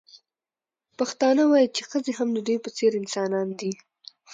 پښتانه وايي چې ښځې هم د دوی په څېر انسانان دي.